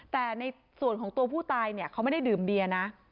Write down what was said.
แต่ในส่วนของตัวผู้ตายเนี่ยเขาไม่ได้ดื่มเบียร์นะ